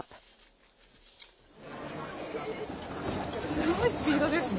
すごいスピードですね。